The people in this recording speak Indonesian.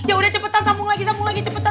ya udah cepetan sambung lagi sambung lagi cepetan